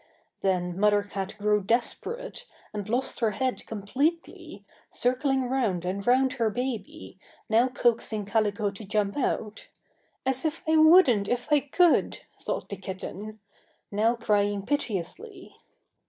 Then Mother Cat grew desperate and lost her head completely, circling round and round her baby, now coaxing Calico to jump out "As if I wouldn't if I could!" thought the kitten now crying piteously.